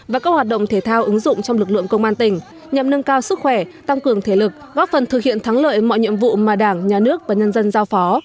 và các hoạt động thể thao ứng dụng trong lực lượng công an tỉnh nhằm nâng cao sức khỏe tăng cường thể lực góp phần thực hiện thắng lợi mọi nhiệm vụ mà đảng nhà nước và nhân dân giao phó